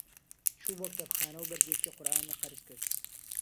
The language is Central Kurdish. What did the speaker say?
چوو بۆ کتێبخانە و بەرگێکی قورئانی قەرز کرد.